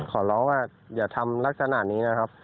ขอร้องว่าอย่าทำลักษณะนี้นะครับ